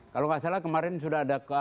kalau nggak salah kemarin sudah ada